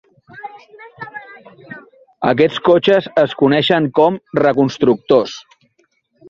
Aquests cotxes es coneixen com "reconstructors".